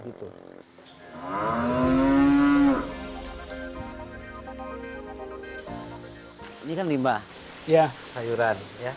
ini kan limbah sayuran ya